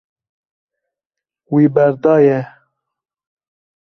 Wî berdaye.